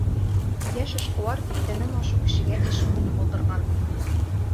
Йәш эшҡыуар тиҫтәнән ашыу кешегә эш урыны булдырған.